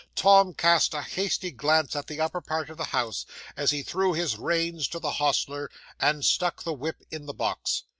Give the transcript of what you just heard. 'Tom cast a hasty glance at the upper part of the house as he threw the reins to the hostler, and stuck the whip in the box.